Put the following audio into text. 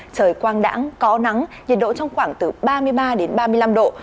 trời quang đẳng có nắng nhiệt độ trong khoảng từ ba mươi ba đến ba mươi năm độ